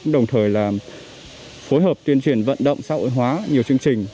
đồng thời là phối hợp tuyên truyền vận động xã hội hóa nhiều chương trình